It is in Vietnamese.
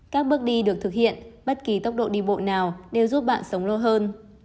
các bước đi được thực hiện bất kỳ tốc độ đi bộ nào đều giúp bạn sống lâu hơn